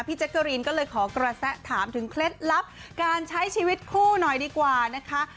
แจ๊กกะรีนก็เลยขอกระแสถามถึงเคล็ดลับการใช้ชีวิตคู่หน่อยดีกว่านะคะ